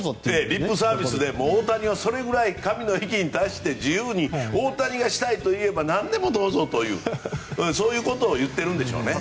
リップサービスで大谷はそれぐらい神の域に達して自由に大谷がしたいと言えば何でもどうぞということを言っているんでしょうね。